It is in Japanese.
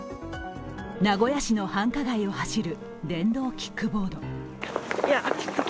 名古屋市の繁華街を走る電動キックボード。